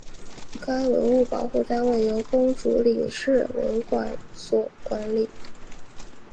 该文物保护单位由公主岭市文管所管理。